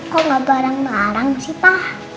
kok gak barang barang sih pak